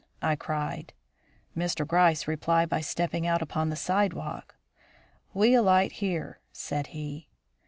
I cried. Mr. Gryce replied by stepping out upon the sidewalk. "We alight here," said he.